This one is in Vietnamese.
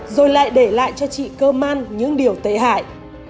rồi lại để lại cho chị cơ man những điều tệ hại